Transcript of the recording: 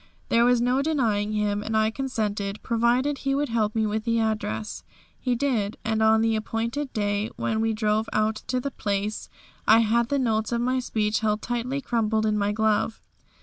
There was no denying him, and I consented, provided he would help me with the address. He did, and on the appointed day when we drove out to the place I had the notes of my speech held tightly crumpled in my glove.